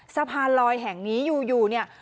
สะพานลอยแห่งนี้อยู่เนี่ย